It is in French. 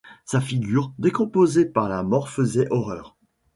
Sa figure, décomposée par la mort, faisait horreur.